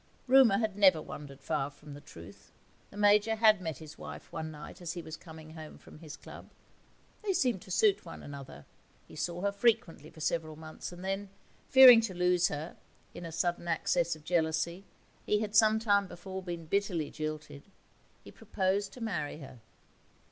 Rumour had never wandered far from the truth. The Major had met his wife one night as he was coming home from his club. They seemed to suit one another; he saw her frequently for several months, and then, fearing to lose her, in a sudden access of jealousy he had some time before been bitterly jilted he proposed to marry her.